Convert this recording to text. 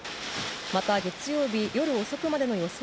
また月曜日、夜遅くまでの予想